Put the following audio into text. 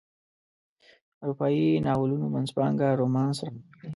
اروپایي ناولونو منځپانګه رومانس رانغاړي.